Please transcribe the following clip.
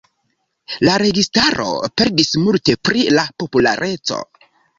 La registaro perdis multe pri la populareco.